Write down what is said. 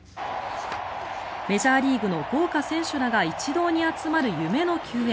メジャーリーグの豪華選手らが一堂に集まる夢の球宴。